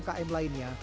serta jutaan pelaku umkm